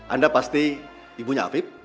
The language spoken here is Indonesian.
anda pasti ibunya afif